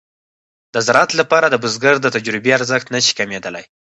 د زراعت لپاره د بزګر د تجربې ارزښت نشي کمېدلای.